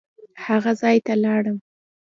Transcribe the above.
هغه ځای ته لاړم.